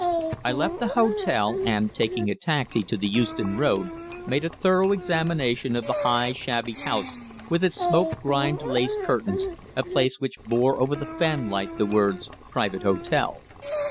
I left the hotel, and taking a taxi to the Euston Road made a thorough examination of the high shabby house with its smoke grimed lace curtains, a place which bore over the fan light the words "Private Hotel."